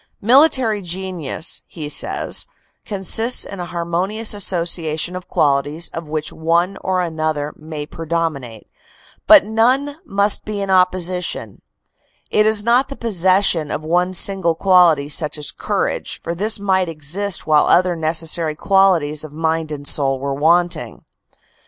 "Military genius," he says, "consists in a harmonious association of qualities of which one or another may predominate, but none must be in opposi tion. It is not the possession of one single quality such as courage, for this might exist whilst other necessary qualities of mind and soul were wanting."